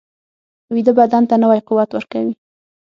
ویده بدن ته نوی قوت ورکوي